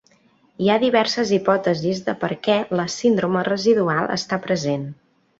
Hi ha diverses hipòtesis de per què la síndrome residual està present.